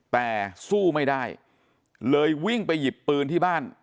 แต่สู้ไม่ได้เลยวิ่งไปหยิบปืนที่บ้าน